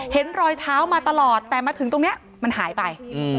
เห็นรอยเท้ามาตลอดแต่มาถึงตรงนี้มันหายไป